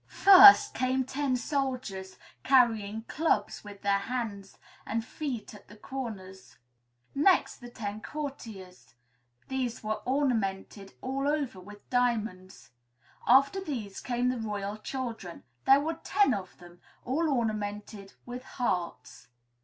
First came ten soldiers carrying clubs, with their hands and feet at the corners: next the ten courtiers; these were ornamented all over with diamonds. After these came the royal children; there were ten of them, all ornamented with hearts.